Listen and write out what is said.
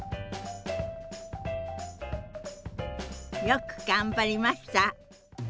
よく頑張りました！